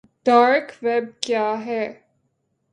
dark web کیا ہے